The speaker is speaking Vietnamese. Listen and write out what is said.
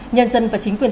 nhân dân và chính quyền